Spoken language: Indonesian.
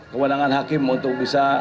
kewenangan hakim untuk bisa